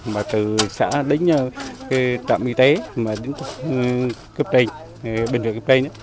mà từ xã đến trạm y tế mà đến cấp tranh bình thường cấp tranh